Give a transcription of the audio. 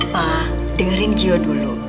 pak dengerin gio dulu